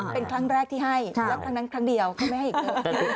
เป็นครั้งแรกที่ให้แล้วครั้งนั้นครั้งเดียวเขาไม่ให้อีกเถอะ